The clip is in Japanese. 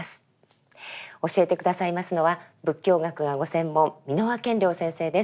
教えて下さいますのは仏教学がご専門蓑輪顕量先生です。